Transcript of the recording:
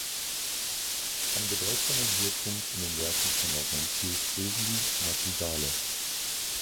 Einen bedeutsamen Höhepunkt in den Werken von Laurentius bilden die Madrigale.